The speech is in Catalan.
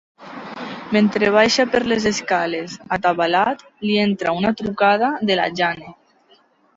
Mentre baixa per les escales, atabalat, li entra una trucada de la Jane.